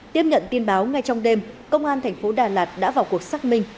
tiếp nhận tin báo ngay trong đêm công an tp đà lạt đã vào cuộc xác minh